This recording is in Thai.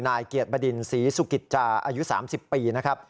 นายเกียรติบดินศรีสุกิจจาอายุ๓๐ปีนะครับ